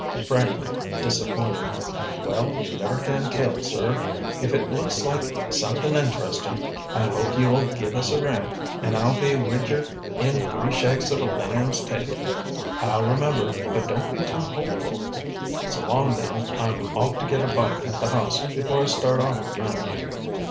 Frank looked disappointed. "Well, you never can tell, sir. If it looks like somethin' interestin', I hope you'll give us a ring, an' I'll be wid yer in three shakes of a lamb's tail." "I'll remember, but don't be too hopeful. So long now. I'm off to get a bite at the house before I start off again."